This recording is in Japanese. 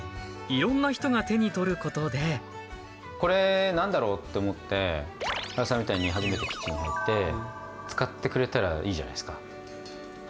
いろんな人が手に取ることでこれ何だろうって思って原さんみたいに初めてキッチンに入って使ってくれたらいいじゃないすか。